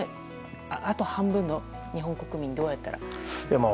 あと半分の日本国民にどうやったら。